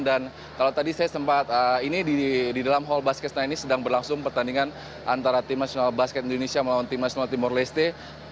dan kalau tadi saya sempat ini di dalam hall basket ini sedang berlangsung pertandingan antara tim nasional basket indonesia melawan tim nasional timor leste